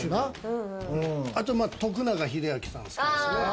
あと、徳永英明さん好きです。